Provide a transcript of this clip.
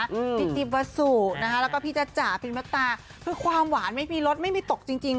พี่จิปวาสุพี่จ้าจ๋าพี่มัตตาความหวานไม่มีลดไม่มีตกจริง